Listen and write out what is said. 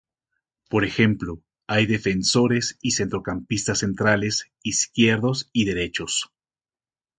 Por ejemplo, hay defensores y centrocampistas centrales, izquierdos y derechos.